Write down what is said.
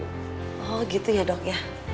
oh gitu ya dok ya